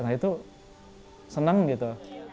nah itu senang gitu